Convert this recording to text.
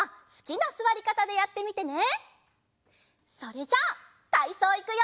それじゃたいそういくよ！